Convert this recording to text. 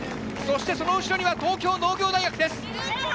その後ろには東京農業大学です。